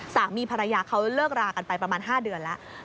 สามีภรรยาเขาเลิกรากันไปประมาณ๕เดือนแล้ว